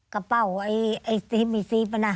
กระเป๋าไอ้ซีมีซีฟนะ